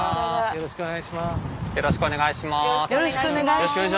よろしくお願いします。